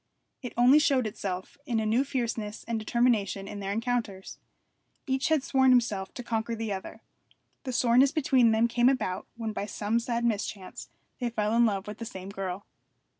It only showed itself in a new fierceness and determination in their encounters. Each had sworn to himself to conquer the other. The soreness between them came about when by some sad mischance they fell in love with the same girl.